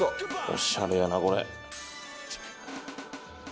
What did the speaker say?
おしゃれやなこれ。